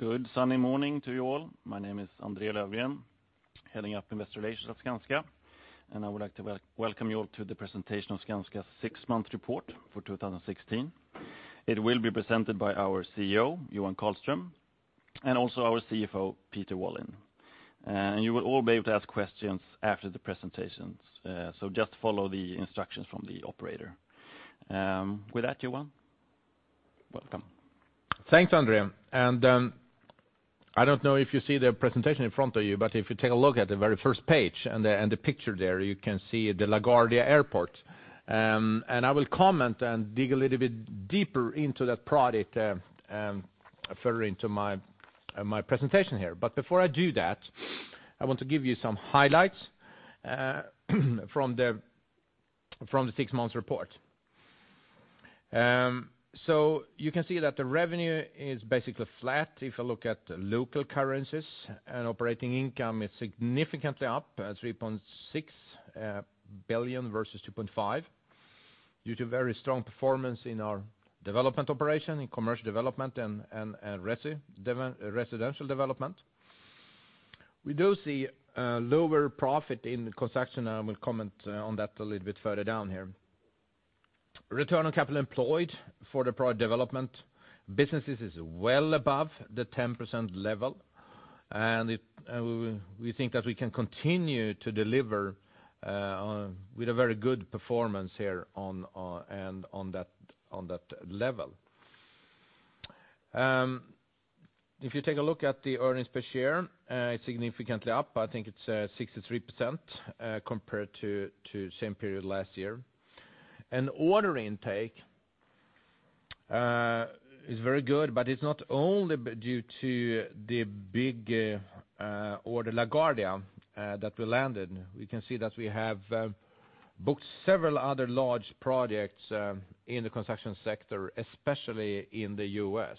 Good Sunday morning to you all. My name is André Löfgren, heading up Investor Relations at Skanska, and I would like to welcome you all to the presentation of Skanska's six-month report for 2016. It will be presented by our CEO, Johan Karlström, and also our CFO, Peter Wallin. You will all be able to ask questions after the presentations, so just follow the instructions from the operator. With that, Johan, welcome. Thanks, André, and I don't know if you see the presentation in front of you, but if you take a look at the very first page, and the picture there, you can see the LaGuardia Airport. And I will comment and dig a little bit deeper into that project further into my presentation here. But before I do that, I want to give you some highlights from the six-month report. So you can see that the revenue is basically flat, if I look at the local currencies, and operating income is significantly up, 3.6 billion versus 2.5 billion, due to very strong performance in our development operation, in commercial development, and residential development. We do see lower profit in construction, and I will comment on that a little bit further down here. Return on capital employed for the Project Development businesses is well above the 10% level, and we think that we can continue to deliver with a very good performance here on that level. If you take a look at the earnings per share, it's significantly up. I think it's 63% compared to same period last year. Order intake is very good, but it's not only due to the big order, LaGuardia, that we landed. We can see that we have booked several other large projects in the construction sector, especially in the U.S.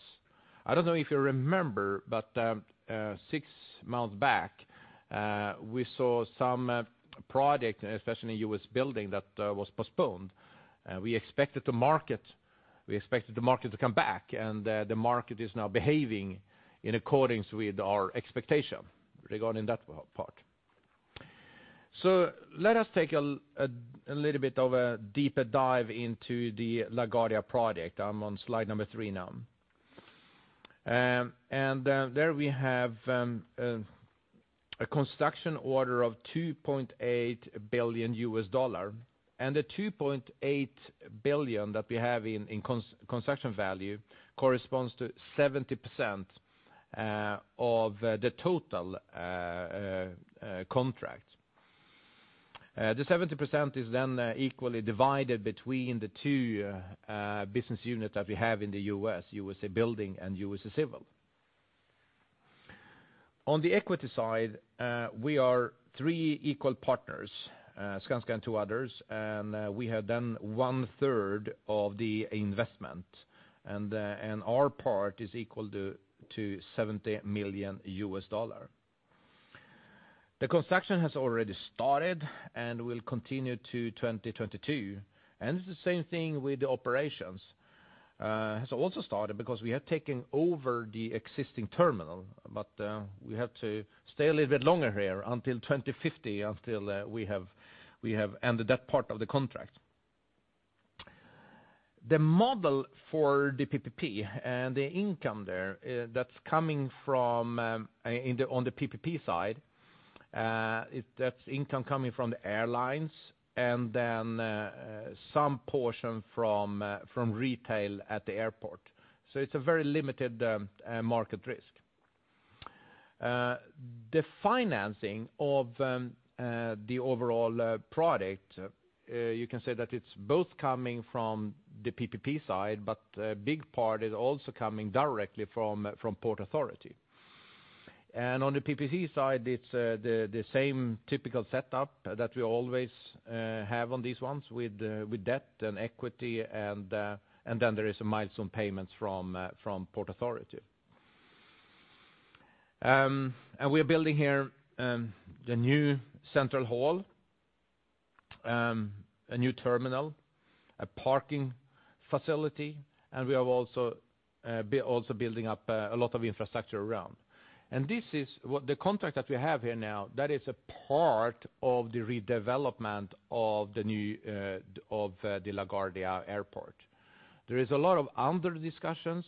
I don't know if you remember, but six months back, we saw some project, especially in U.S. building, that was postponed. We expected the market to come back, and the market is now behaving in accordance with our expectation regarding that part. Let us take a little bit of a deeper dive into the LaGuardia project. I'm on slide number three now. There we have a construction order of $2.8 billion, and the $2.8 billion that we have in construction value corresponds to 70% of the total contract. The 70% is then equally divided between the two business units that we have in the U.S., USA Building and USA Civil. On the equity side, we are three equal partners, Skanska and two others, and we have then one third of the investment, and our part is equal to $70 million. The construction has already started and will continue to 2022, and it's the same thing with the operations. It's also started because we have taken over the existing terminal, but we have to stay a little bit longer here until 2050, until we have ended that part of the contract. The model for the PPP and the income there, that's coming from on the PPP side, that's income coming from the airlines, and then some portion from retail at the airport. So it's a very limited market risk. The financing of the overall project, you can say that it's both coming from the PPP side, but a big part is also coming directly from Port Authority. And on the PPP side, it's the same typical setup that we always have on these ones, with debt and equity, and then there is some milestone payments from Port Authority. And we're building here the new central hall, a new terminal, a parking facility, and we are also building up a lot of infrastructure around. And this is what the contract that we have here now, that is a part of the redevelopment of the new LaGuardia Airport. There is a lot of other discussions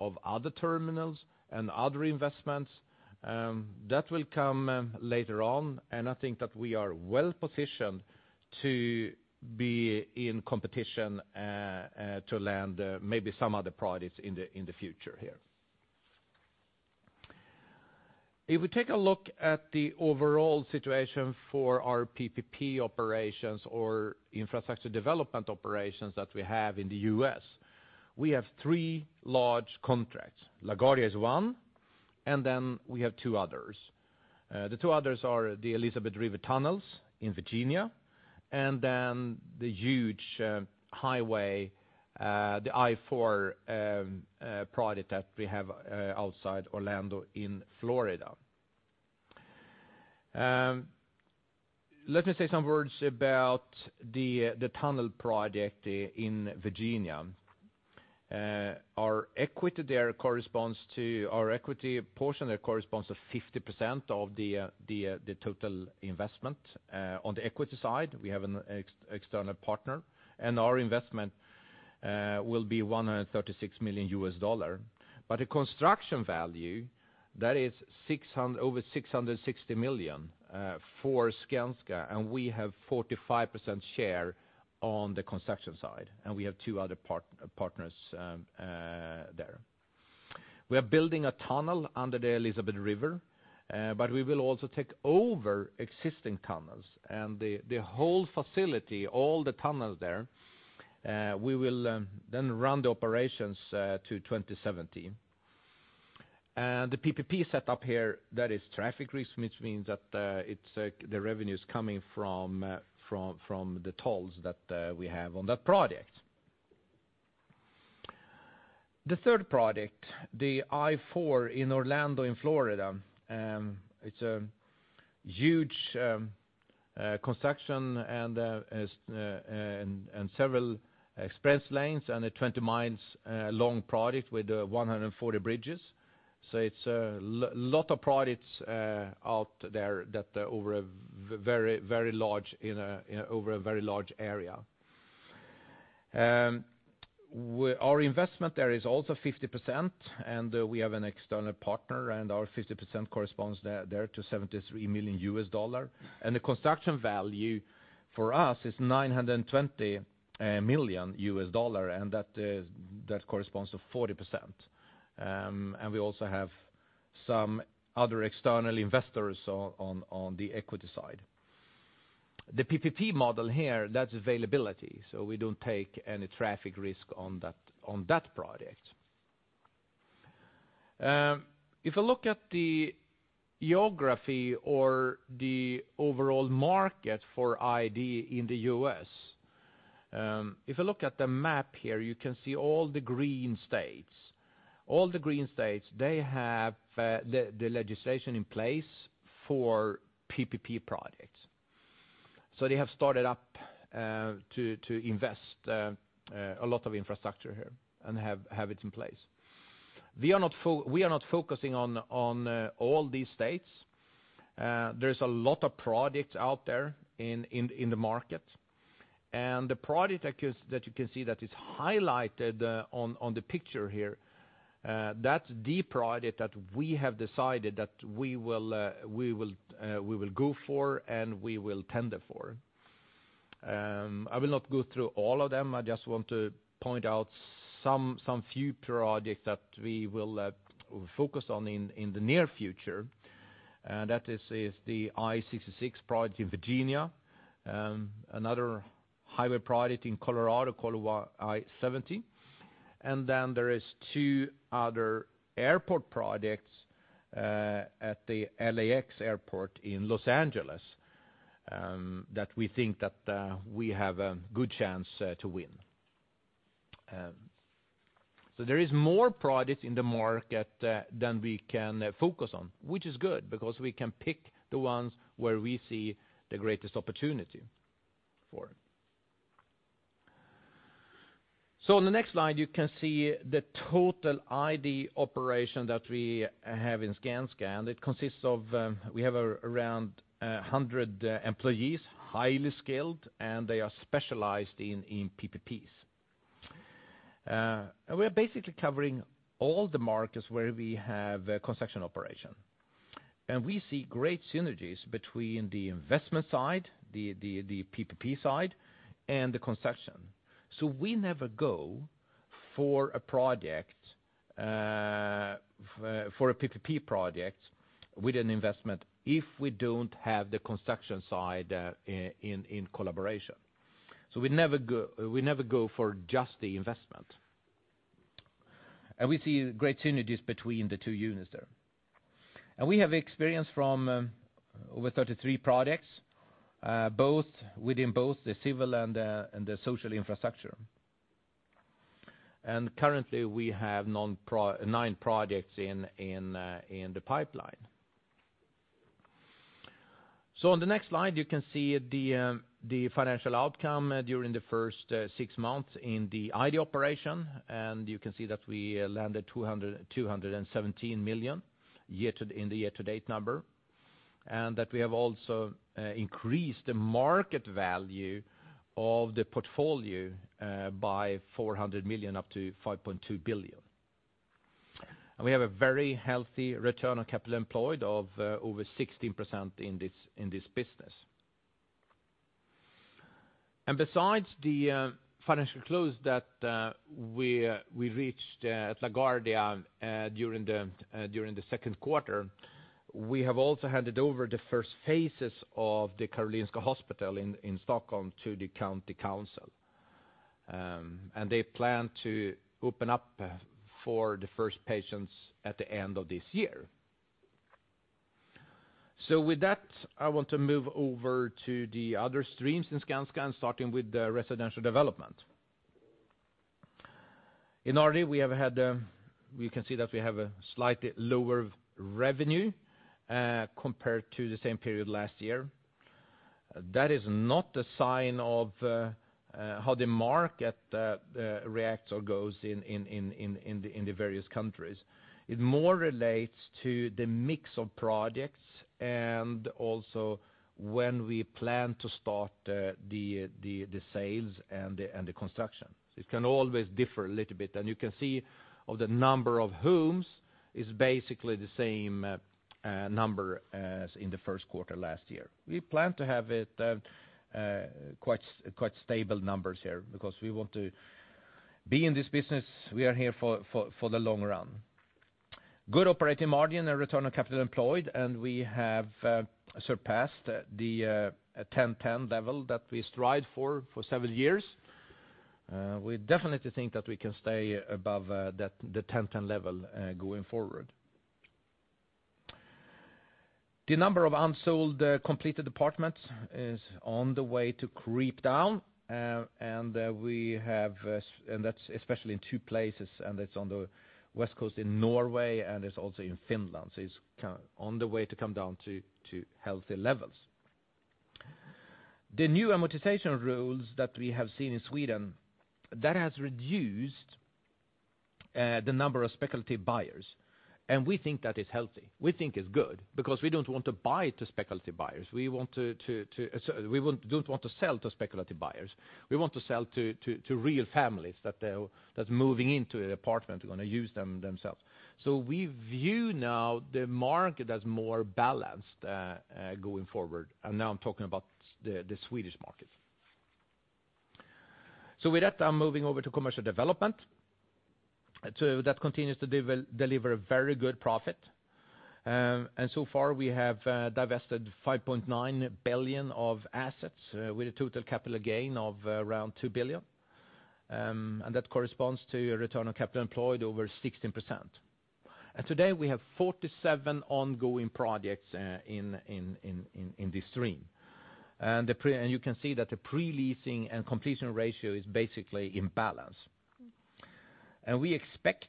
of other terminals and other investments, that will come, later on, and I think that we are well positioned to be in competition to land maybe some other projects in the future here. If we take a look at the overall situation for our PPP operations or infrastructure development operations that we have in the U.S., we have three large contracts. LaGuardia is one, and then we have two others. The two others are the Elizabeth River Tunnels in Virginia, and then the huge Highway, the I-4 project that we have, outside Orlando in Florida. Let me say some words about the tunnel project in Virginia. Our equity there corresponds to, our equity portion there corresponds to 50% of the total investment. On the equity side, we have an external partner, and our investment will be $136 million. But the construction value, that is over $660 million for Skanska, and we have 45% share on the construction side, and we have two other partners there. We are building a tunnel under the Elizabeth River, but we will also take over existing tunnels, and the whole facility, all the tunnels there, we will then run the operations to 2017. The PPP setup here, that is traffic risk, which means that it's the revenue is coming from the tolls that we have on that project. The third project, the I-4 in Orlando in Florida, it's a huge construction and several express lanes, and a 20-mile long project with 140 bridges. So it's a lot of projects out there that are over a very large area. Our investment there is also 50%, and we have an external partner, and our 50% corresponds there to $73 million. And the construction value for us is $920 million, and that corresponds to 40%. And we also have some other external investors on the equity side. The PPP model here, that's availability, so we don't take any traffic risk on that project. If you look at the geography or the overall market for ID in the U.S., if you look at the map here, you can see all the green states. All the green states, they have the legislation in place for PPP projects. So they have started up to invest a lot of infrastructure here, and have it in place. We are not focusing on all these states. There's a lot of projects out there in the market, and the project that you can see that is highlighted on the picture here, that's the project that we have decided that we will go for, and we will tender for. I will not go through all of them, I just want to point out some few projects that we will focus on in the near future, and that is the I-66 project in Virginia, another highway project in Colorado called I-70. And then there is two other airport projects at the LAX Airport in Los Angeles that we think that we have a good chance to win. So there is more projects in the market than we can focus on, which is good, because we can pick the ones where we see the greatest opportunity for. So on the next slide, you can see the total ID operation that we have in Skanska, and it consists of, we have around 100 employees, highly skilled, and they are specialized in PPPs. And we are basically covering all the markets where we have a construction operation. And we see great synergies between the investment side, the PPP side, and the construction. So we never go for a PPP project with an investment if we don't have the construction side in collaboration. So we never go for just the investment. We see great synergies between the two units there. We have experience from over 33 projects, both within the civil and the social infrastructure. Currently, we have nine projects in the pipeline. On the next slide, you can see the financial outcome during the first six months in the ID operation, and you can see that we landed 217 million in the year-to-date number, and that we have also increased the market value of the portfolio by 400 million, up to 5.2 billion. We have a very healthy return on capital employed of over 16% in this business. Besides the financial close that we reached at LaGuardia during the second quarter, we have also handed over the first phases of the Karolinska Hospital in Stockholm to the county council. They plan to open up for the first patients at the end of this year. With that, I want to move over to the other streams in Skanska, starting with the residential development. In order, we have had, you can see that we have a slightly lower revenue compared to the same period last year. That is not a sign of how the market reacts or goes in the various countries. It more relates to the mix of projects and also when we plan to start the sales and the construction. It can always differ a little bit, and you can see the number of homes is basically the same number as in the first quarter last year. We plan to have quite stable numbers here, because we want to be in this business. We are here for the long run. Good operating margin and return on capital employed, and we have surpassed the 10-10 level that we strived for several years. We definitely think that we can stay above that 10-10 level going forward. The number of unsold completed apartments is on the way to creep down, and that's especially in two places, and it's on the West Coast in Norway, and it's also in Finland. So it's on the way to come down to healthy levels. The new amortization rules that we have seen in Sweden, that has reduced the number of speculative buyers, and we think that is healthy. We think it's good, because we don't want to buy to speculative buyers. We want to, sorry, we don't want to sell to speculative buyers. We want to sell to real families that that's moving into an apartment, are going to use them themselves. So we view now the market as more balanced going forward, and now I'm talking about the Swedish market. So with that, I'm moving over to commercial development. So that continues to deliver a very good profit, and so far we have divested 5.9 billion of assets with a total capital gain of around 2 billion. And that corresponds to a return on capital employed over 16%. And today we have 47 ongoing projects in this stream. And the pre- and you can see that the pre-leasing and completion ratio is basically in balance. And we expect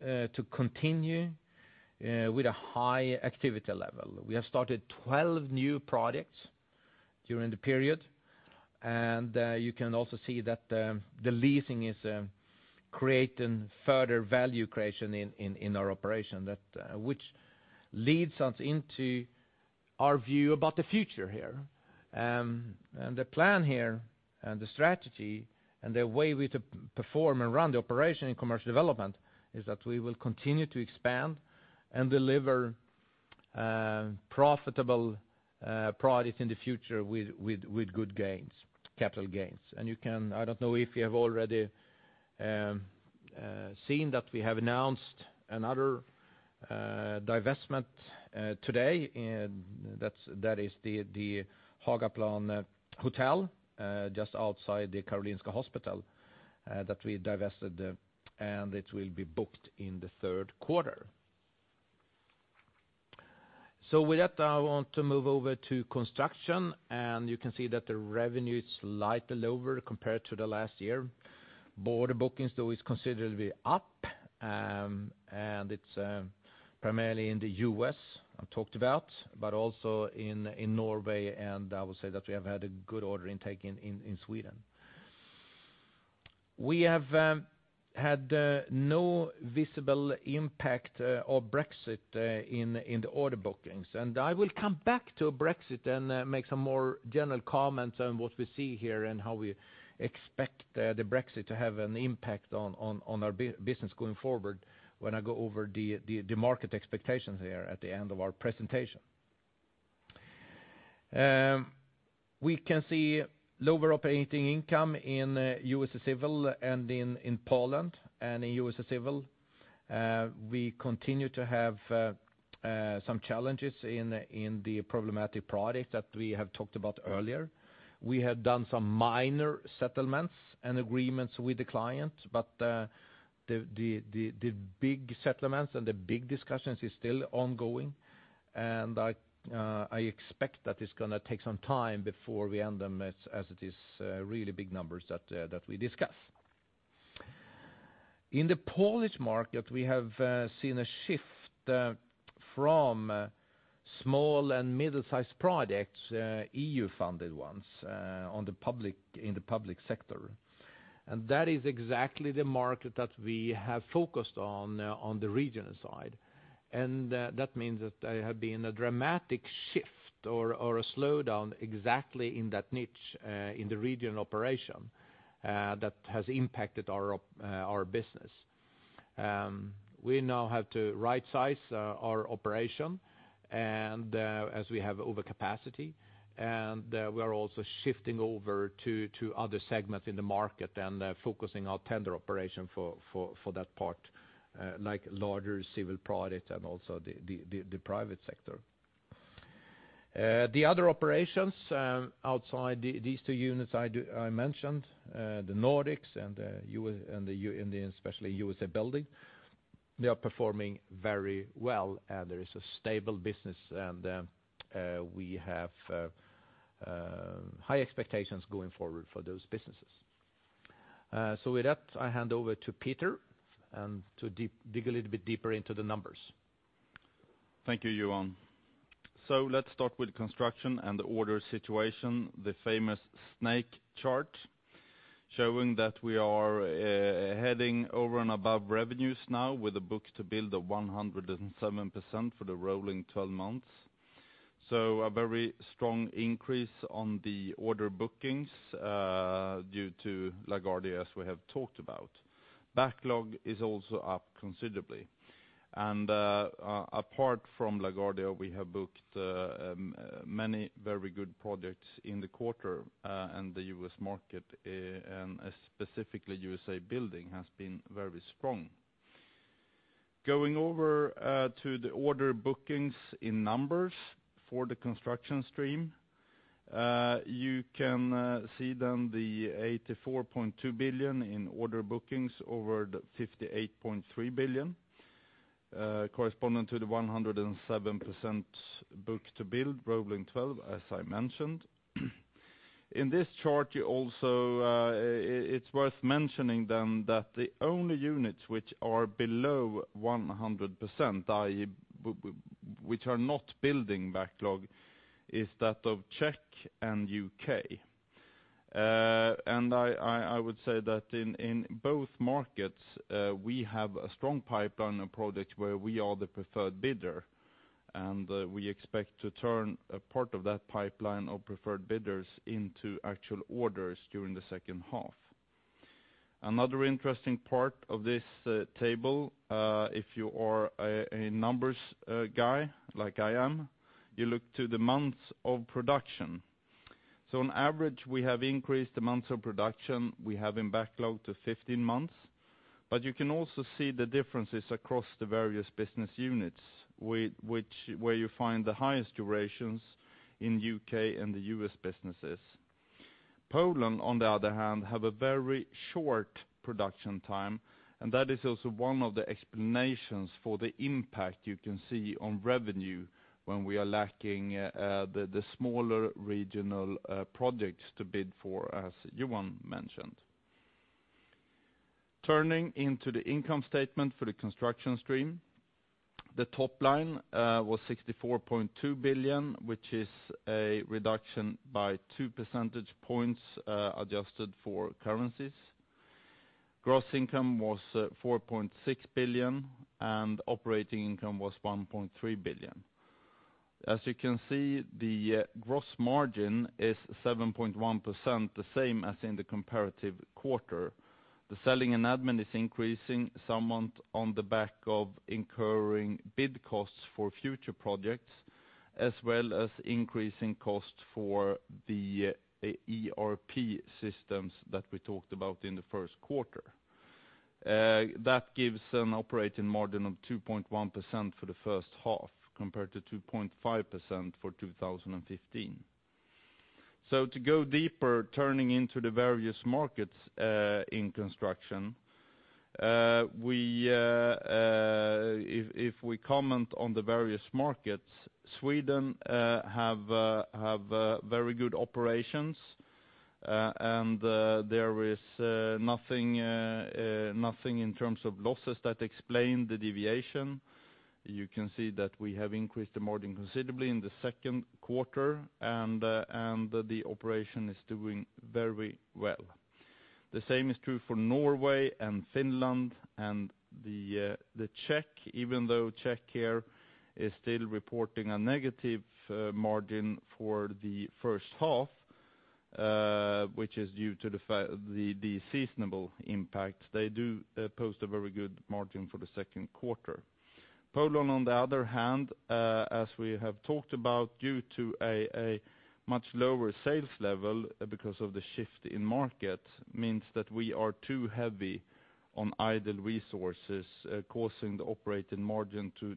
to continue with a high activity level. We have started 12 new projects during the period, and you can also see that the leasing is creating further value creation in our operation, which leads us into our view about the future here. And the plan here, and the strategy, and the way we to perform and run the operation in commercial development, is that we will continue to expand and deliver profitable products in the future with good gains, capital gains. And you can, I don't know if you have already seen that we have announced another divestment today, and that's, that is the Hagaplan hotel just outside the Karolinska Hospital that we divested, and it will be booked in the third quarter. So with that, I want to move over to construction, and you can see that the revenue is slightly lower compared to the last year. Order bookings, though, is considerably up, and it's primarily in the U.S., I talked about, but also in Norway, and I will say that we have had a good order intake in Sweden. We have had no visible impact of Brexit in the order bookings. And I will come back to Brexit and make some more general comments on what we see here and how we expect the Brexit to have an impact on our business going forward when I go over the market expectations here at the end of our presentation. We can see lower operating income in US Civil and in Poland. And in US Civil, we continue to have some challenges in the problematic project that we have talked about earlier. We have done some minor settlements and agreements with the client, but the big settlements and the big discussions is still ongoing, and I expect that it's going to take some time before we end them, as it is really big numbers that we discuss. In the Polish market, we have seen a shift from small and middle-sized projects, EU-funded ones in the public sector. And that is exactly the market that we have focused on, on the regional side. And that means that there have been a dramatic shift or a slowdown exactly in that niche in the regional operation that has impacted our business. We now have to right size our operation, and as we have overcapacity, and we are also shifting over to other segments in the market and focusing our tender operation for that part, like larger civil projects and also the private sector. The other operations outside these two units I had mentioned, the Nordics and U.S. and especially USA Building. They are performing very well, and there is a stable business, and we have high expectations going forward for those businesses. So with that, I hand over to Peter to dig a little bit deeper into the numbers. Thank you, Johan. So let's start with construction and the order situation, the famous snake chart, showing that we are heading over and above revenues now with a book-to-build of 107% for the rolling 12 months. So a very strong increase on the order bookings due to LaGuardia, as we have talked about. Backlog is also up considerably, and apart from LaGuardia, we have booked many very good projects in the quarter in the U.S. market, and specifically, USA Building has been very strong. Going over to the order bookings in numbers for the construction stream, you can see then the 84.2 billion in order bookings over the 58.3 billion, corresponding to the 107% book-to-build, rolling 12, as I mentioned. In this chart, you also, it's worth mentioning then, that the only units which are below 100%, i.e., which are not building backlog, is that of Czech and U.K. And I would say that in both markets, we have a strong pipeline of products where we are the preferred bidder, and we expect to turn a part of that pipeline of preferred bidders into actual orders during the second half. Another interesting part of this table, if you are a numbers guy, like I am, you look to the months of production. So on average, we have increased the months of production we have in backlog to 15 months, but you can also see the differences across the various business units, which, where you find the highest durations in U.K. and the U.S. businesses. Poland, on the other hand, have a very short production time, and that is also one of the explanations for the impact you can see on revenue when we are lacking the smaller regional projects to bid for, as Johan mentioned. Turning into the income statement for the construction stream, the top line was 64.2 billion, which is a reduction by two percentage points, adjusted for currencies. Gross income was 4.6 billion, and operating income was 1.3 billion. As you can see, the gross margin is 7.1%, the same as in the comparative quarter. The selling and admin is increasing somewhat on the back of incurring bid costs for future projects, as well as increasing costs for the ERP systems that we talked about in the first quarter. That gives an operating margin of 2.1% for the first half, compared to 2.5% for 2015. So to go deeper, turning to the various markets in construction, if we comment on the various markets, Sweden have very good operations, and there is nothing in terms of losses that explain the deviation. You can see that we have increased the margin considerably in the second quarter, and the operation is doing very well. The same is true for Norway and Finland and the Czech, even though Czech here is still reporting a negative margin for the first half, which is due to the seasonal impact. They do post a very good margin for the second quarter. Poland, on the other hand, as we have talked about, due to a much lower sales level because of the shift in market, means that we are too heavy on idle resources, causing the operating margin to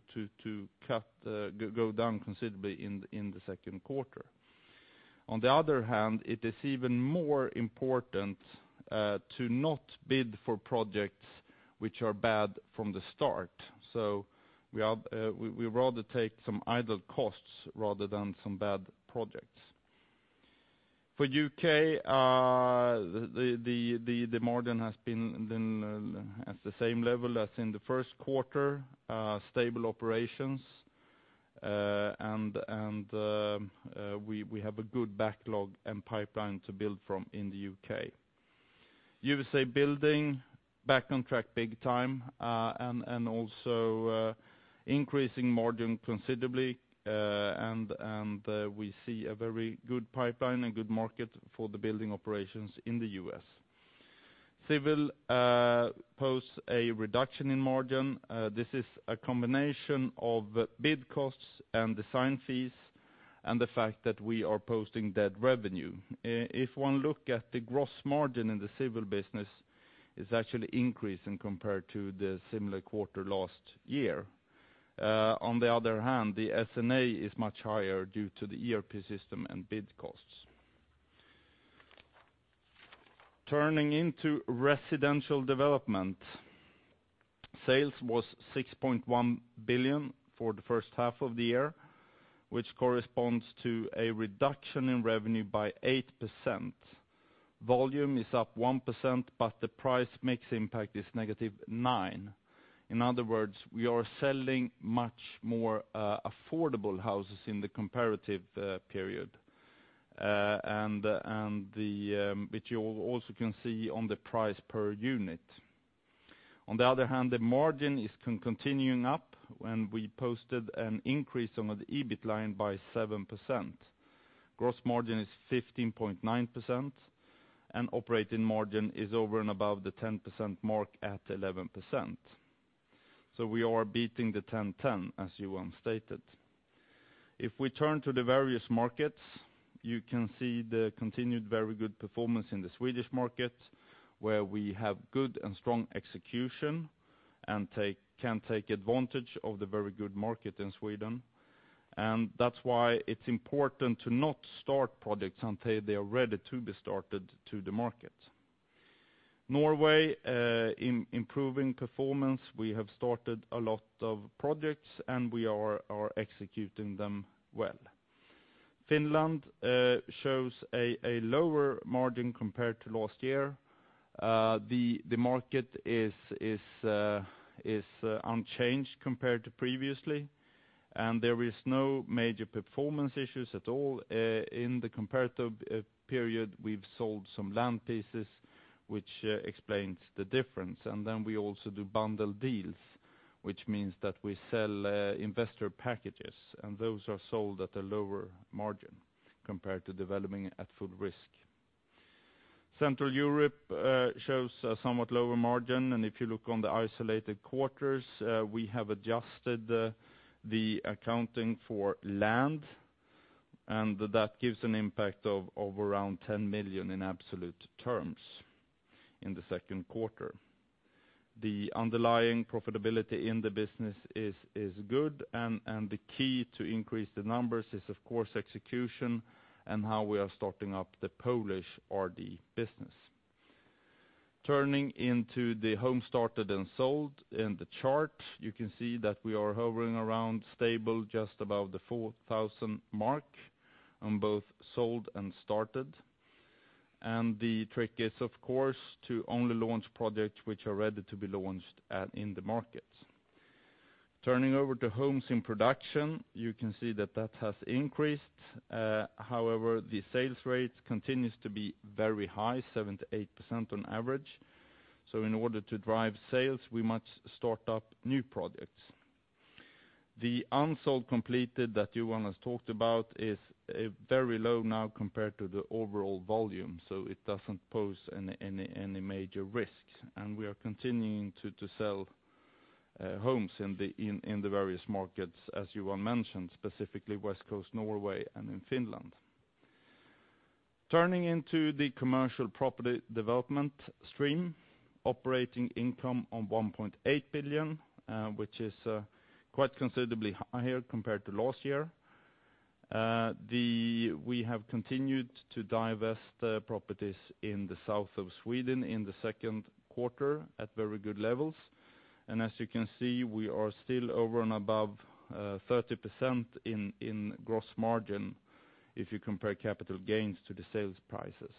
go down considerably in the second quarter. On the other hand, it is even more important to not bid for projects which are bad from the start, so we'd rather take some idle costs rather than some bad projects. For U.K., the margin has been at the same level as in the first quarter, stable operations, and we have a good backlog and pipeline to build from in the U.K. USA Building back on track big time, and also, increasing margin considerably, and we see a very good pipeline and good market for the building operations in the U.S. Civil posts a reduction in margin. This is a combination of bid costs and design fees, and the fact that we are posting dead revenue. If one look at the gross margin in the civil business, it's actually increasing compared to the similar quarter last year. On the other hand, the S&A is much higher due to the ERP system and bid costs. Turning into residential development. Sales was 6.1 billion for the first half of the year, which corresponds to a reduction in revenue by 8%. Volume is up 1%, but the price mix impact is negative 9%. In other words, we are selling much more affordable houses in the comparative period, which you also can see on the price per unit. On the other hand, the margin is continuing up, and we posted an increase on the EBIT line by 7%. Gross margin is 15.9%, and operating margin is over and above the 10% mark at 11%. So we are beating the 10-10, as Johan stated. If we turn to the various markets, you can see the continued very good performance in the Swedish market, where we have good and strong execution, and can take advantage of the very good market in Sweden. And that's why it's important to not start projects until they are ready to be started to the market. Norway, improving performance, we have started a lot of projects, and we are executing them well. Finland shows a lower margin compared to last year. The market is unchanged compared to previously, and there is no major performance issues at all. In the comparative period, we've sold some land pieces, which explains the difference. And then we also do bundle deals, which means that we sell investor packages, and those are sold at a lower margin compared to developing at full risk. Central Europe shows a somewhat lower margin, and if you look on the isolated quarters, we have adjusted the accounting for land, and that gives an impact of around 10 million in absolute terms in the second quarter. The underlying profitability in the business is good, and the key to increase the numbers is, of course, execution, and how we are starting up the Polish RD business. Turning to the homes started and sold. In the chart, you can see that we are hovering around stable, just above the 4,000 mark on both sold and started. And the trick is, of course, to only launch projects which are ready to be launched in the markets. Turning over to homes in production, you can see that that has increased. However, the sales rate continues to be very high, 7% to 8% on average. So in order to drive sales, we must start up new projects. The unsold completed, that Johan has talked about is very low now compared to the overall volume, so it doesn't pose any major risks. We are continuing to sell homes in the various markets, as Johan mentioned, specifically West Coast Norway, and in Finland. Turning into the commercial property development stream. Operating income on 1.8 billion, which is quite considerably higher compared to last year. We have continued to divest properties in the south of Sweden in the second quarter at very good levels. As you can see, we are still over and above 30% in gross margin if you compare capital gains to the sales prices.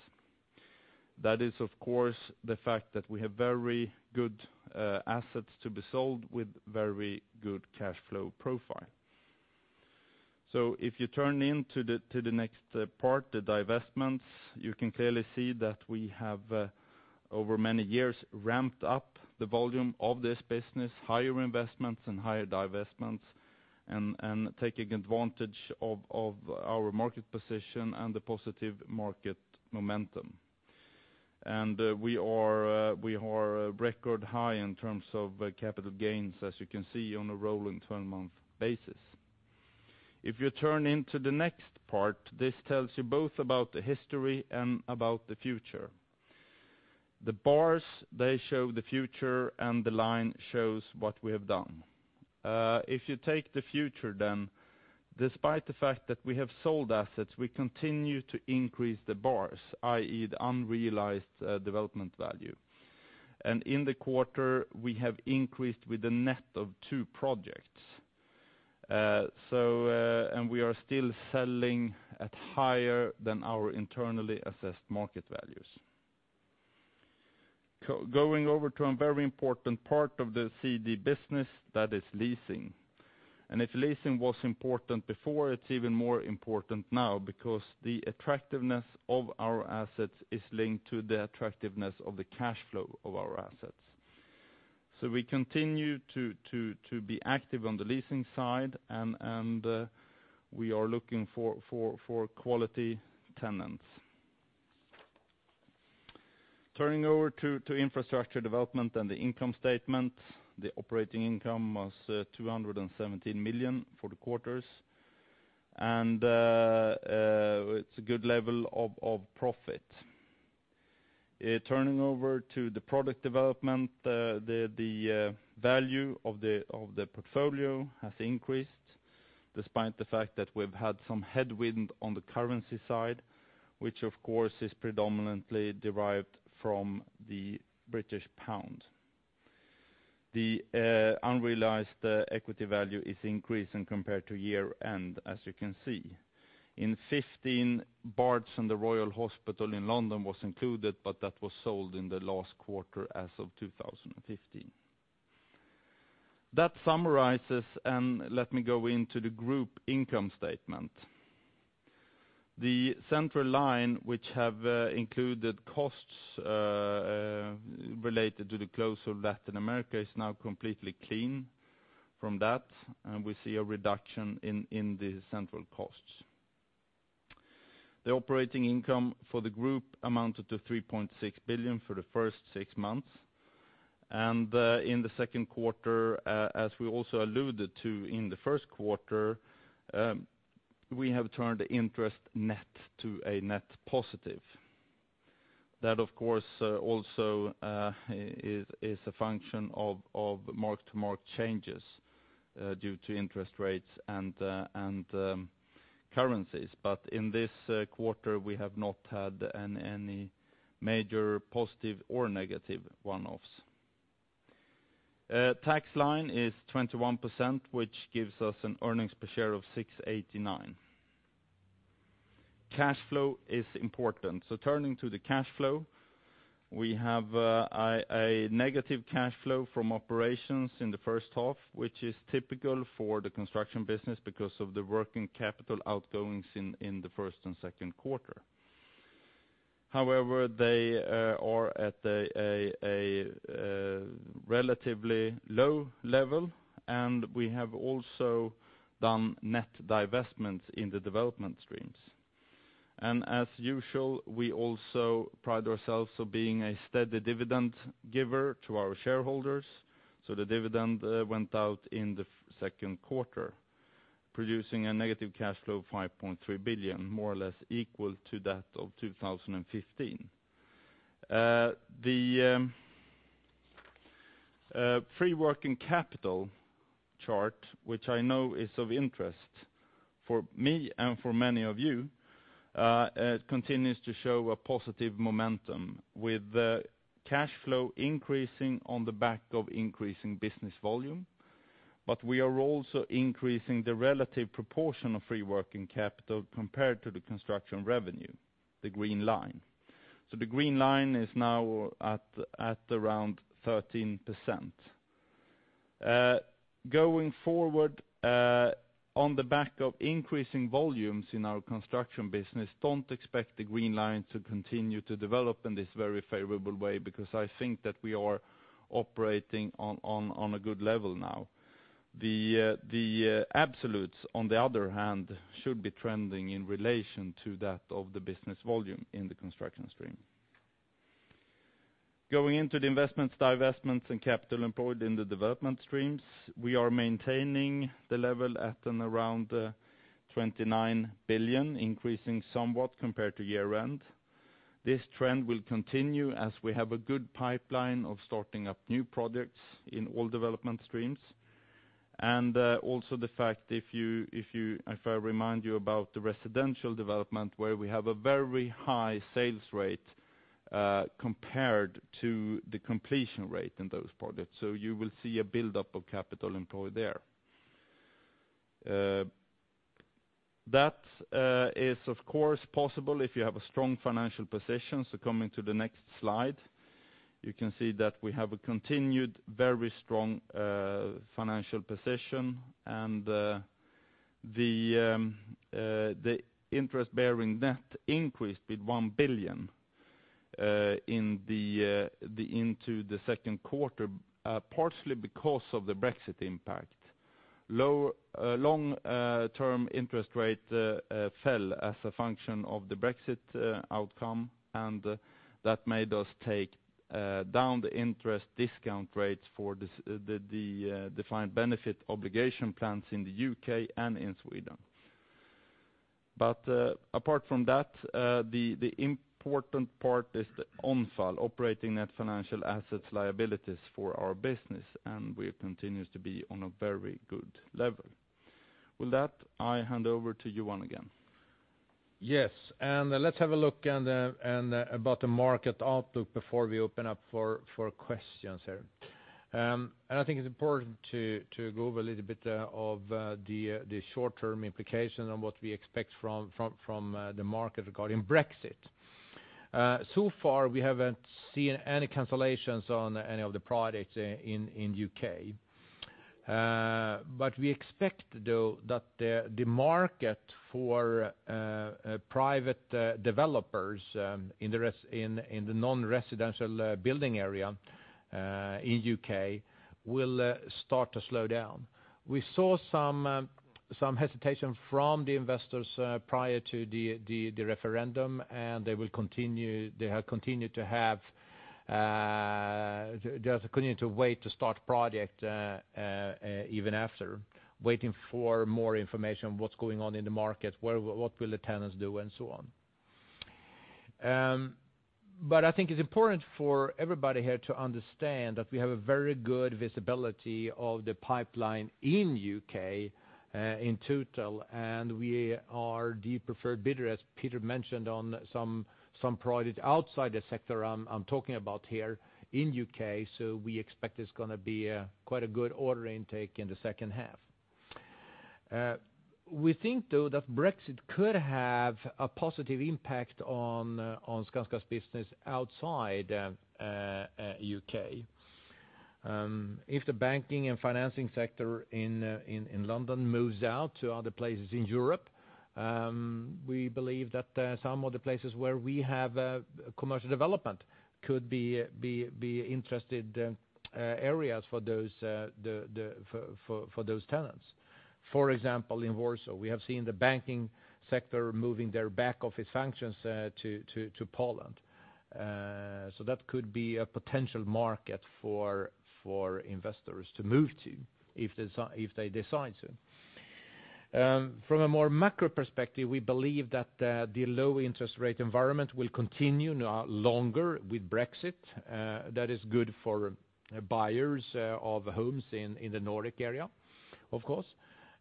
That is, of course, the fact that we have very good assets to be sold with very good cash flow profile. So if you turn to the next part, the divestments, you can clearly see that we have over many years ramped up the volume of this business, higher investments and higher divestments, and taking advantage of our market position and the positive market momentum. And we are record high in terms of capital gains, as you can see on a rolling 12-month basis. If you turn to the next part, this tells you both about the history and about the future. The bars, they show the future, and the line shows what we have done. If you take the future, then, despite the fact that we have sold assets, we continue to increase the bars, i.e., the unrealized development value. And in the quarter, we have increased with a net of two projects. So, and we are still selling at higher than our internally assessed market values. Going over to a very important part of the CD business, that is leasing. And if leasing was important before, it's even more important now, because the attractiveness of our assets is linked to the attractiveness of the cash flow of our assets. So we continue to be active on the leasing side, and we are looking for quality tenants. Turning over to infrastructure development and the income statement. The operating income was 217 million for the quarters, and it's a good level of profit. Turning over to the product development, the value of the portfolio has increased, despite the fact that we've had some headwind on the currency side, which of course is predominantly derived from the British pound. The unrealized equity value is increasing compared to year-end, as you can see. In 2015, Barts Hospital and the Royal London Hospital in London was included, but that was sold in the last quarter as of 2015. That summarizes, and let me go into the group income statement. The central line, which have included costs related to the close of Latin America is now completely clean from that, and we see a reduction in the central costs. The operating income for the group amounted to 3.6 billion for the first six months, and in the second quarter, as we also alluded to in the first quarter, we have turned the interest net to a net positive. That, of course, also is a function of mark-to-market changes due to interest rates and currencies. But in this quarter, we have not had any major positive or negative one-offs. Tax line is 21%, which gives us an earnings per share of 6.89. Cash flow is important, so turning to the cash flow, we have a negative cash flow from operations in the first half, which is typical for the construction business because of the working capital outgoings in the first and second quarter. However, they are at a relatively low level, and we have also done net divestments in the development streams. And as usual, we also pride ourselves on being a steady dividend giver to our shareholders, so the dividend went out in the second quarter, producing a negative cash flow of 5.3 billion, more or less equal to that of 2015. The free working capital chart, which I know is of interest for me and for many of you continues to show a positive momentum with the cash flow increasing on the back of increasing business volume. But we are also increasing the relative proportion of free working capital compared to the construction revenue, the green line. So the green line is now at around 13%. Going forward, on the back of increasing volumes in our construction business, don't expect the green line to continue to develop in this very favorable way, because I think that we are operating on a good level now. The absolutes, on the other hand should be trending in relation to that of the business volume in the construction stream. Going into the investments, divestments, and capital employed in the development streams, we are maintaining the level at and around 29 billion, increasing somewhat compared to year-end. This trend will continue as we have a good pipeline of starting up new projects in all development streams, and also the fact, if I remind you about the residential development, where we have a very high sales rate compared to the completion rate in those projects, so you will see a buildup of capital employed there. That is, of course, possible if you have a strong financial position. So coming to the next slide, you can see that we have a continued very strong financial position, and the interest-bearing net increased with 1 billion into the second quarter, partially because of the Brexit impact. Long-term interest rate fell as a function of the Brexit outcome, and that made us take down the interest discount rates for the defined benefit obligation plans in the U.K. and in Sweden. But apart from that, the important part is the ONFAL, operating net financial assets liabilities for our business, and we continues to be on a very good level. With that, I hand over to Johan again. Yes, and let's have a look at and about the market outlook before we open up for questions here. And I think it's important to go over a little bit of the short-term implications on what we expect from the market regarding Brexit. So far, we haven't seen any cancellations on any of the products in the U.K. But we expect, though, that the market for private developers in the non-residential building area in the U.K. will start to slow down. We saw some hesitation from the investors prior to the referendum, and they have continued to have just continue to wait to start project, even after waiting for more information, what's going on in the market, what will the tenants do, and so on. But I think it's important for everybody here to understand that we have a very good visibility of the pipeline in U.K., in total, and we are the preferred bidder, as Peter mentioned, on some, some projects outside the sector I'm, I'm talking about here in U.K., so we expect it's going to be, quite a good order intake in the second half. We think, though, that Brexit could have a positive impact on Skanska's business outside U.K. If the banking and financing sector in London moves out to other places in Europe, we believe that some of the places where we have commercial development could be interested areas for those tenants. For example, in Warsaw, we have seen the banking sector moving their back office functions to Poland. So that could be a potential market for investors to move to if they decide to. From a more macro perspective, we believe that the low interest rate environment will continue now longer with Brexit. That is good for buyers of homes in the Nordic area, of course.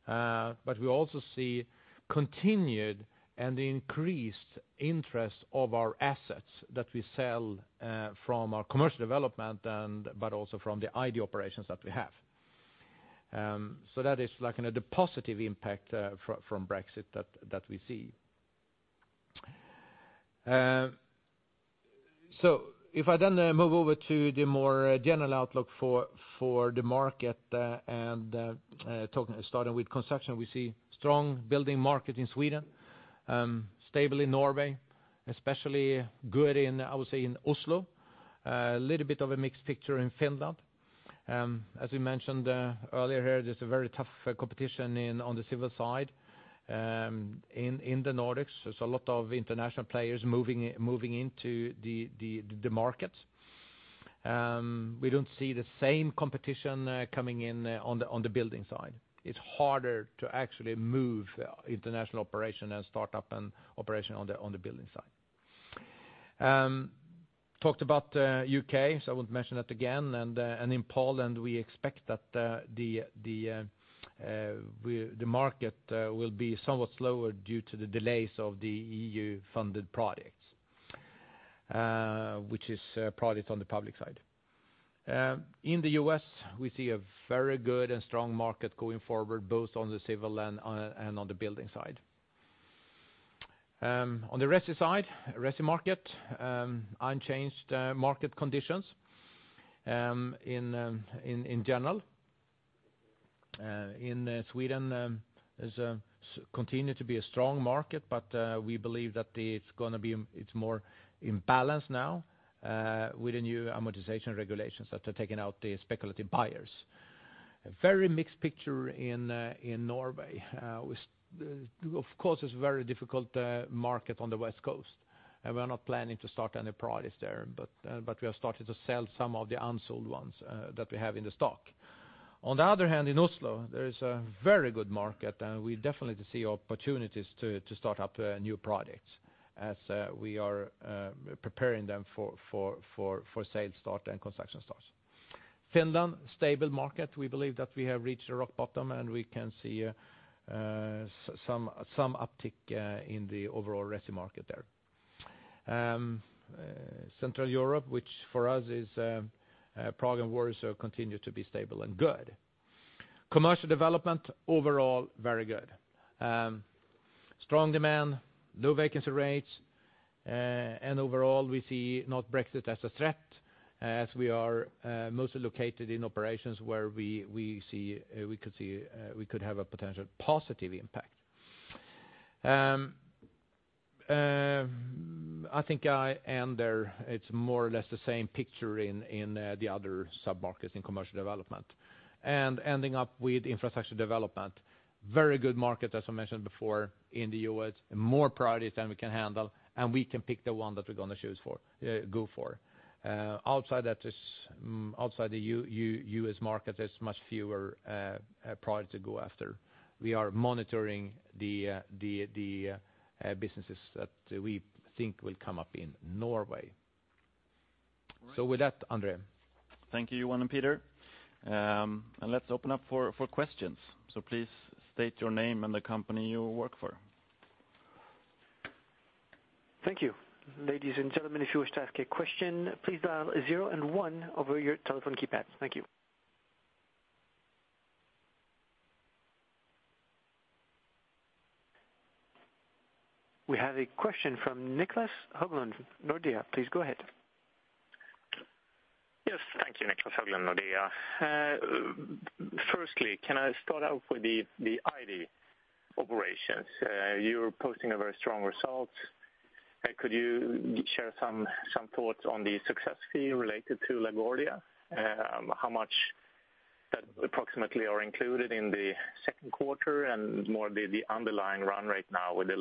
But we also see continued and increased interest of our assets that we sell from our commercial development and, but also from the ID operations that we have. So that is, like, the positive impact from Brexit that we see. So if I then move over to the more general outlook for the market and talking, starting with construction, we see strong building market in Sweden, stable in Norway, especially good in, I would say, in Oslo. A little bit of a mixed picture in Finland. As we mentioned earlier here, there's a very tough competition on the civil side in the Nordics. There's a lot of international players moving into the market. We don't see the same competition coming in on the building side. It's harder to actually move, you know, international operation and start up an operation on the building side. I talked about U.K., so I won't mention that again. In Poland, we expect that the market will be somewhat slower due to the delays of the EU-funded projects, which is projects on the public side. In the U.S., we see a very good and strong market going forward, both on the civil and on the building side. On the resi side, resi market, unchanged market conditions in general. In Sweden, there's continue to be a strong market, but we believe that it's going to be, it's more imbalanced now, with the new amortization regulations that are taking out the speculative buyers. A very mixed picture in Norway. We of course, it's very difficult market on the West Coast, and we're not planning to start any projects there, but we have started to sell some of the unsold ones that we have in the stock. On the other hand, in Oslo, there is a very good market, and we definitely see opportunities to start up new projects as we are preparing them for sale start and construction starts. Finland, stable market. We believe that we have reached a rock bottom, and we can see some uptick in the overall resi market there. Central Europe, which for us is Prague and Warsaw, continue to be stable and good. Commercial development, overall, very good. Strong demand, low vacancy rates, and overall, we see not Brexit as a threat, as we are mostly located in operations where we see we could have a potential positive impact. I think I end there. It's more or less the same picture in the other submarkets in commercial development. And ending up with infrastructure development, very good market, as I mentioned before in the U.S. and more projects than we can handle, and we can pick the one that we're going to choose for, go for. Outside the U.S. market, there's much fewer projects to go after. We are monitoring the businesses that we think will come up in Norway. So with that, André? Thank you, Johan and Peter. Let's open up for questions. Please state your name and the company you work for. Thank you. Ladies and gentlemen, if you wish to ask a question, please dial zero and one over your telephone keypad. Thank you. We have a question from Niclas Höglund, Nordea. Please go ahead. Yes, thank you. Niclas Höglund for Nordea. Firstly, can I start out with the ID operations? You are posting a very strong result. Could you share some thoughts on the success fee related to LaGuardia? How much approximately are included in the second quarter and more the underlying run right now with the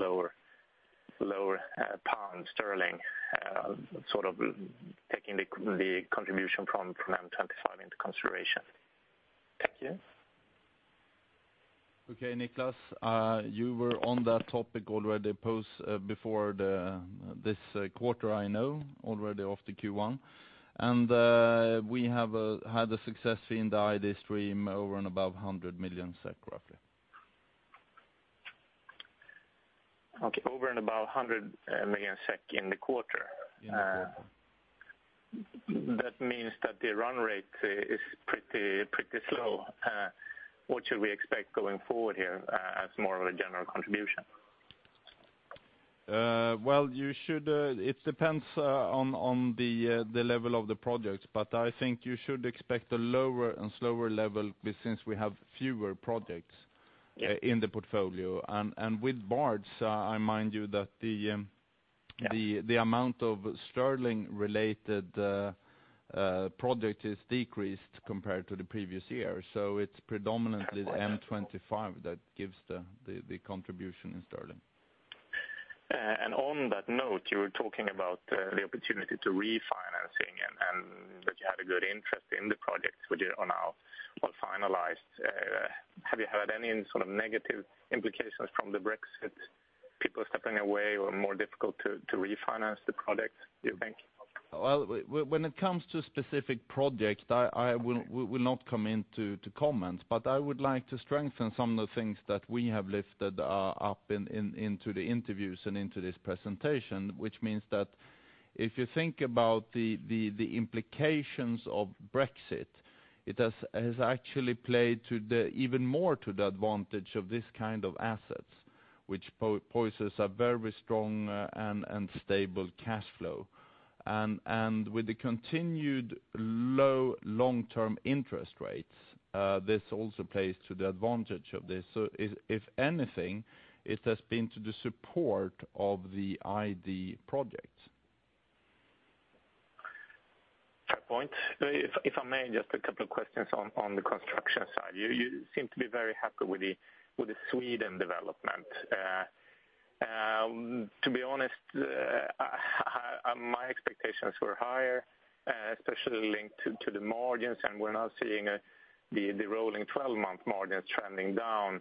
lower pound sterling sort of taking the contribution from M25 into consideration. Thank you. Okay, Niclas, you were on that topic already post, before this quarter I know, already after Q1. We have had a success in the ID stream over and above 100 million SEK, roughly. Okay, over and above 100 million SEK in the quarter? In the quarter. That means that the run rate is pretty, pretty slow. What should we expect going forward here, as more of a general contribution? Well, you should. It depends on the level of the projects, but I think you should expect a lower and slower level since we have fewer project in the portfolio. And with Barts, I remind you that the amount of sterling related project is decreased compared to the previous year. So it's predominantly the M25 that gives the contribution in sterling. And on that note, you were talking about the opportunity to refinancing and that you had a good interest in the projects which are now well finalized. Have you had any sort of negative implications from the Brexit, people stepping away or more difficult to refinance the project, do you think? Well, when it comes to specific projects, I will not come into comment, but I would like to strengthen some of the things that we have lifted up into the interviews and into this presentation, which means that if you think about the implications of Brexit, it has actually played even more to the advantage of this kind of assets, which poses a very strong and stable cash flow. And with the continued low long-term interest rates, this also plays to the advantage of this. So if anything, it has been to the support of the ID projects. Fair point. If I may, just a couple of questions on the construction side. You seem to be very happy with the Sweden development. To be honest, my expectations were higher, especially linked to the margins, and we're now seeing the rolling 12-month margins trending down,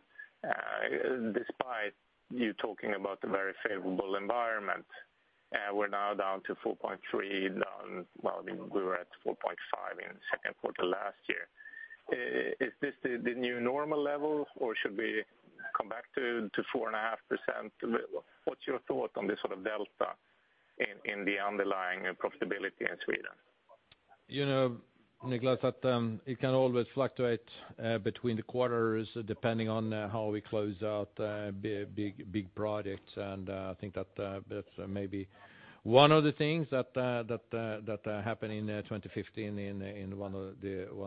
despite you talking about the very favorable environment. We're now down to 4.3%, down, well, we were at 4.5% in the second quarter last year. Is this the new normal level, or should we come back to 4.5%? What's your thought on this sort of delta in the underlying profitability in Sweden? You know, Niclas, that it can always fluctuate between the quarters, depending on how we close out big projects. And I think that that's maybe one of the things that happened in 2015 in one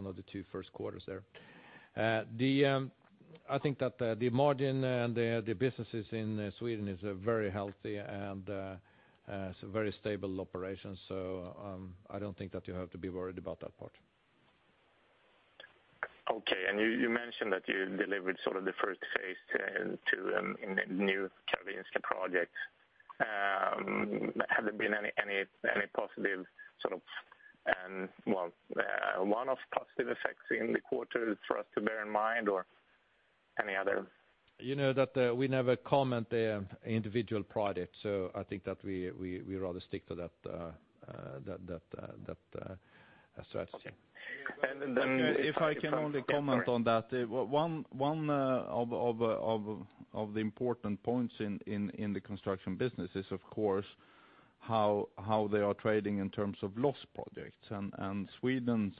of the two first quarters there. I think that the margin and the businesses in Sweden is a very healthy and it's a very stable operation, so I don't think that you have to be worried about that part. Okay. And you mentioned that you delivered sort of the first phase to in the new Karolinska project. Have there been any positive sort of, well, one of positive effects in the quarter for us to bear in mind or any other? You know that we never comment the individual projects, so I think that we rather stick to that strategy. Okay. If I can only comment on that, one of the important points in the construction business is, of course, how they are trading in terms of loss projects. Sweden's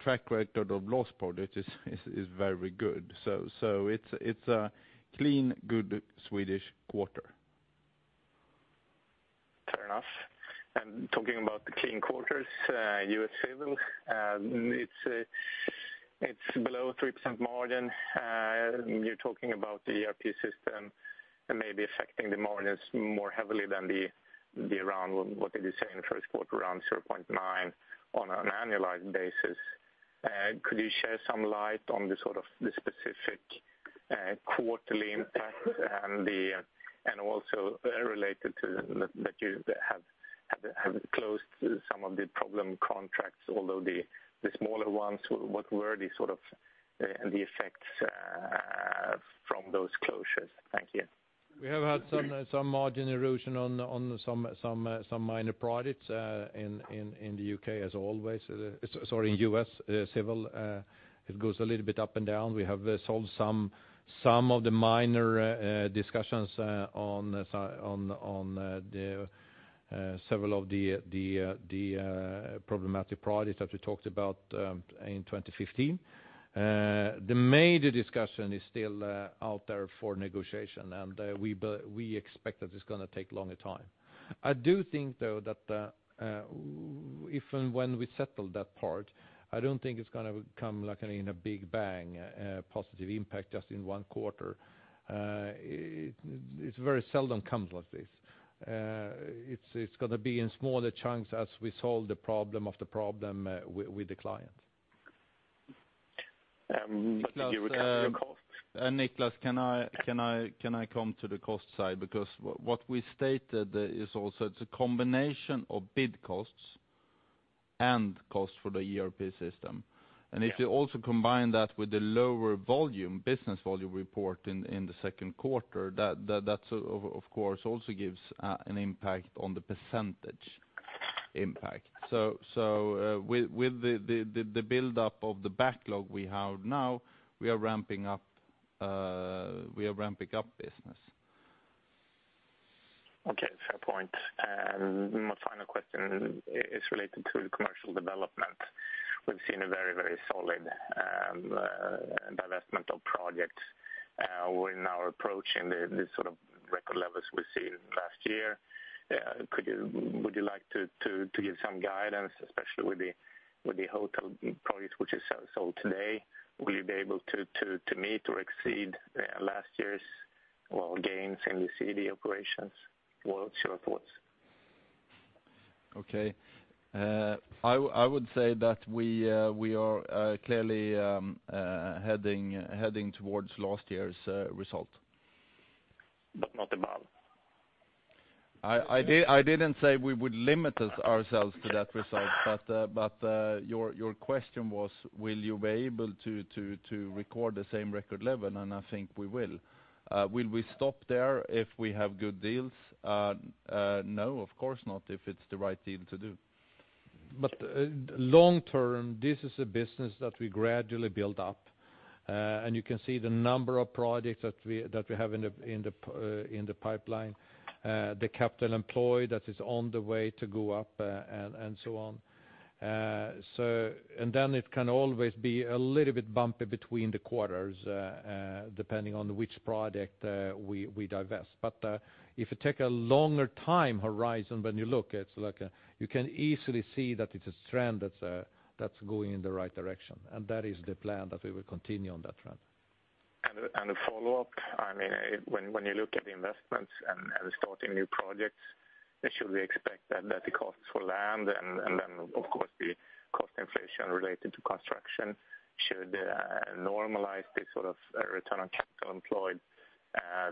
track record of loss projects is very good. It's a clean, good Swedish quarter. Fair enough. And talking about the clean quarters, US Civil, it's below 3% margin. You're talking about the ERP system that may be affecting the margins more heavily than the around, what did you say in the first quarter, around 0.9 on an annualized basis. Could you shed some light on the sort of the specific quarterly impact and also related to that, that you have closed some of the problem contracts, although the smaller ones, what were the sort of the effects from those closures? Thank you. We have had some margin erosion on some minor projects in the U.K., as always. Sorry, US Civil, it goes a little bit up and down. We have resolved some of the minor discussions on several of the problematic projects that we talked about in 2015. The major discussion is still out there for negotiation, and we expect that it's going to take a longer time. I do think, though, that if and when we settle that part, I don't think it's going to come like in a big bang positive impact just in one quarter. It very seldom comes like this. It's going to be in smaller chunks as we solve the problem of the problem with the client. Niclas, can I come to the cost side? Because what we stated is also it's a combination of bid costs and costs for the ERP system. If you also combine that with the lower volume business volume reported in the second quarter, that of course, also gives an impact on the percentage impact. So, with the buildup of the backlog we have now, we are ramping up business. Okay, fair point. My final question is related to commercial development. We've seen a very, very solid divestment of projects. We're now approaching the sort of record levels we see last year. Would you like to give some guidance, especially with the hotel projects which is so today, will you be able to meet or exceed last year's, well, gains in the CD operations? What's your thoughts? Okay. I would say that we are clearly heading towards last year's result. But not above? I didn't say we would limit ourselves to that result. But your question was, will you be able to record the same record level? And I think we will. Will we stop there if we have good deals? No, of course not, if it's the right thing to do. But long term, this is a business that we gradually build up. And you can see the number of projects that we have in the pipeline, the capital employed, that is on the way to go up, and so on. And then it can always be a little bit bumpy between the quarters, depending on which project we divest. If you take a longer time horizon, when you look, it's like you can easily see that it's a trend that's going in the right direction, and that is the plan, that we will continue on that trend. And a follow-up. I mean, when you look at the investments and starting new projects, should we expect that the costs for land and then, of course, the cost inflation related to construction should normalize this sort of return on capital employed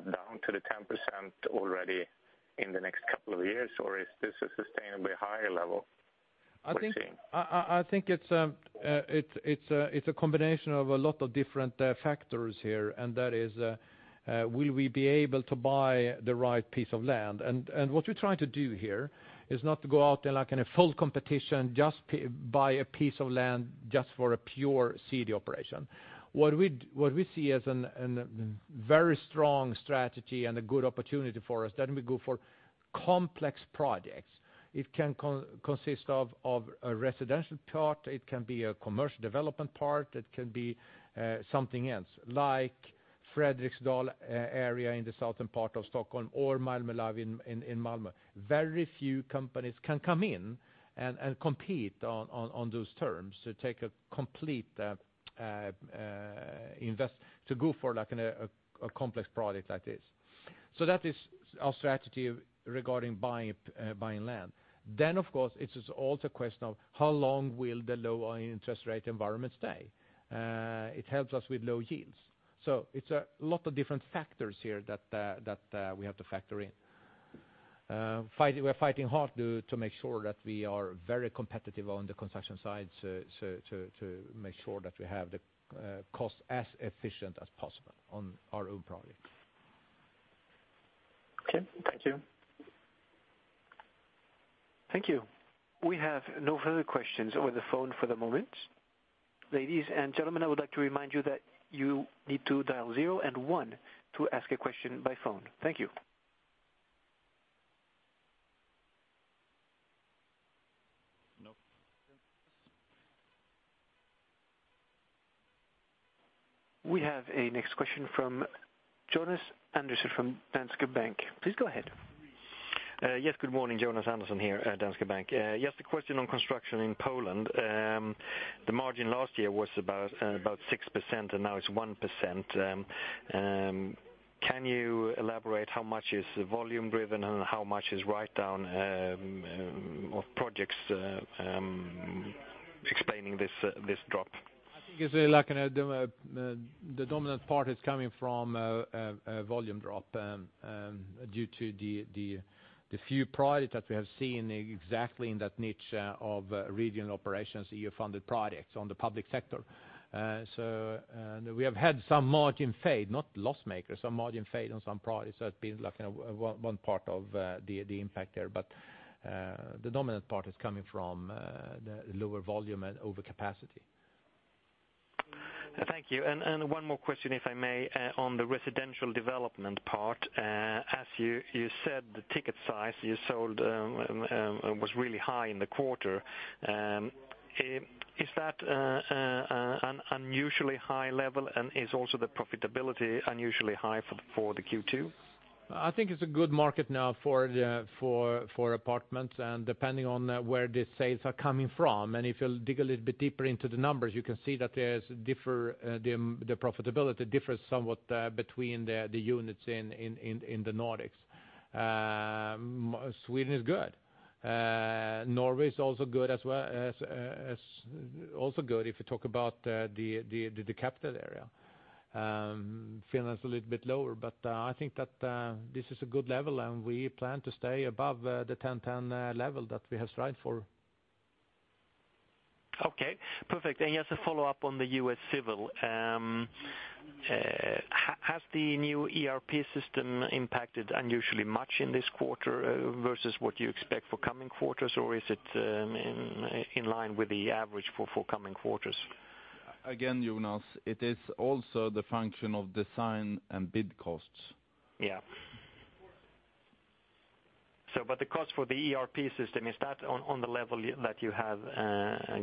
down to the 10% already in the next couple of years or is this a sustainably higher level we're seeing? I think it's a combination of a lot of different factors here, and that is, will we be able to buy the right piece of land? And what we're trying to do here is not to go out there, like, in a full competition, just buy a piece of land just for a pure CD operation. What we see as a very strong strategy and a good opportunity for us, that we go for complex projects. It can consist of a residential part, it can be a commercial development part, it can be something else, like Fredriksdal area in the southern part of Stockholm or Malmö Live in Malmö. Very few companies can come in and compete on those terms, to take a complete to go for, like, a complex project like this. So that is our strategy regarding buying land. Then, of course, it is also a question of how long will the low interest rate environment stay? It helps us with low yields. So it's a lot of different factors here that we have to factor in. We're fighting hard to make sure that we are very competitive on the construction side, so to make sure that we have the cost as efficient as possible on our own projects. Okay. Thank you. Thank you. We have no further questions over the phone for the moment. Ladies and gentlemen, I would like to remind you that you need to dial zero and one to ask a question by phone. Thank you. Nope. We have a next question from Jonas Andersson from Danske Bank. Please go ahead. Yes. Good morning, Jonas Andersson here at Danske Bank. Just a question on construction in Poland. The margin last year was about 6%, and now it's 1%. Can you elaborate how much is volume driven and how much is write down of projects explaining this drop? I think it's like the dominant part is coming from a volume drop due to the few projects that we have seen exactly in that niche of regional operations, EU-funded projects on the public sector. So we have had some margin fade, not loss makers, some margin fade on some projects. So that's been like one part of the impact there. But the dominant part is coming from the lower volume and overcapacity. Thank you. And one more question, if I may, on the residential development part. As you said, the ticket size you sold was really high in the quarter. Is that an unusually high level, and is also the profitability unusually high for the Q2? I think it's a good market now for apartments, and depending on where the sales are coming from. If you'll dig a little bit deeper into the numbers, you can see that the profitability differs somewhat between the units in the Nordics. Sweden is good. Norway is also good as well, also good if you talk about the capital area. Finland is a little bit lower, but I think that this is a good level, and we plan to stay above the 10-10 level that we have strived for. Okay, perfect. Just a follow-up on the US Civil. Has the new ERP system impacted unusually much in this quarter versus what you expect for coming quarters or is it in line with the average for coming quarters? Again, Jonas, it is also the function of design and bid costs. Yeah. But the cost for the ERP system, is that on the level that you have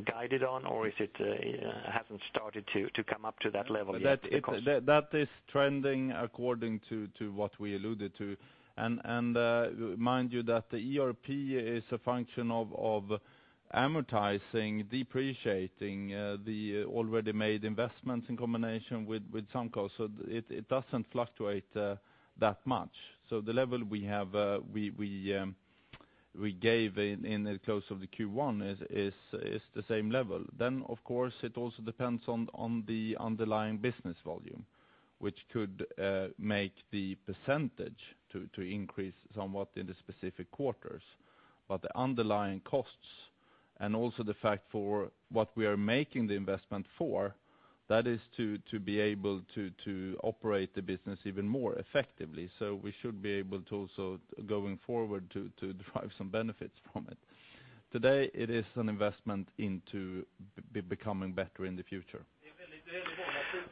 guided on, or is it hasn't started to come up to that level yet? That is trending according to what we alluded to. And, mind you, that the ERP is a function of amortizing, depreciating the already made investments in combination with some costs, so it doesn't fluctuate that much. So the level we have we gave in the close of the Q1 is the same level. Then, of course, it also depends on the underlying business volume, which could make the percentage to increase somewhat in the specific quarters. But the underlying costs, and also the fact for what we are making the investment for, that is to be able to operate the business even more effectively. So we should be able to also, going forward to derive some benefits from it. Today, it is an investment into becoming better in the future.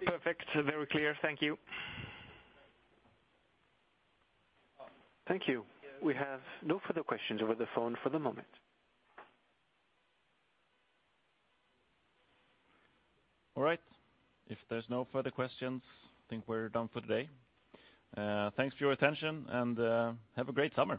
Perfect. Very clear. Thank you. Thank you. We have no further questions over the phone for the moment. All right, if there's no further questions, I think we're done for today. Thanks for your attention, and have a great summer!